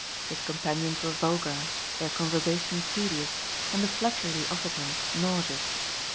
His companions were vulgar, their conversation tedious and the flattery they offered him nauseous.